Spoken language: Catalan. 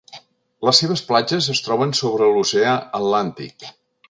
Les seves platges es troben sobre l'oceà Atlàntic.